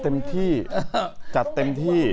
เต็มที่จัดเต็มที่